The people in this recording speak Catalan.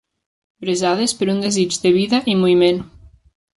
Bressades per un desig de vida i moviment